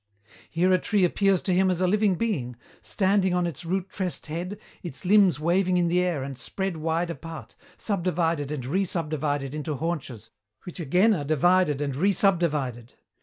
"Here a tree appears to him as a living being, standing on its root tressed head, its limbs waving in the air and spread wide apart, subdivided and re subdivided into haunches, which again are divided and re subdivided.